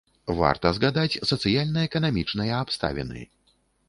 Варта згадаць сацыяльна-эканамічныя абставіны.